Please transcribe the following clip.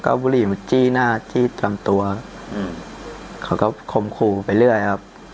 เอาบุหรี่มาจี้หน้าจี้ลำตัวอืมเขาก็คมคู่ไปเรื่อยครับ